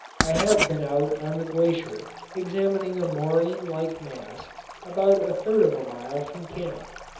I have been out on the glacier examining a moraine like mass about a third of a mile from camp.